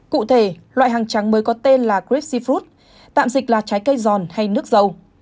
cụ thể loại hàng trắng mới có tên là grape seed fruit tạm dịch là trái cây giòn hay nước dâu